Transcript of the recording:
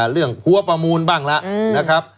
เรื่องหัวประมูลบ้างละ